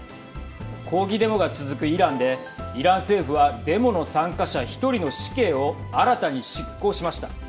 抗議デモが続くイランでイラン政府はデモの参加者１人の死刑を新たに執行しました。